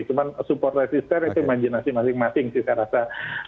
cuma support resisten itu imajinasi masing masing sih saya rasa